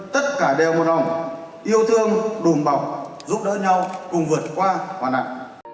tất cả đều môn hồng yêu thương đùm bọc giúp đỡ nhau cùng vượt qua hoàn hảo